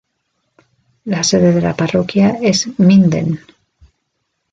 La sede de la parroquia es Minden.